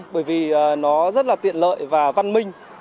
bởi vì nó rất là tiện lợi và văn minh